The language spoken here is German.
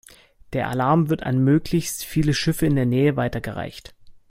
Der Alarm wird an möglichst viele Schiffe in der Nähe weitergereicht.